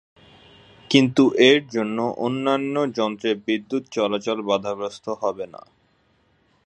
কিন্তু এর জন্য অন্যান্য যন্ত্রে বিদ্যুৎ চলাচল বাধাগ্রস্ত হবে না।